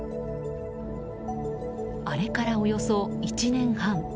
あれから、およそ１年半。